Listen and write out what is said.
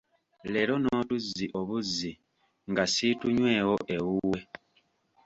Leero n'otuzzi obuzzi nga siitunywewo ewuwe!